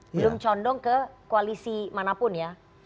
belum condong ke koalisi manapun ya